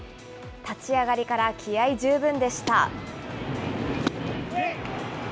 立ち上がりから気合い十分でした。